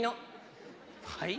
はい？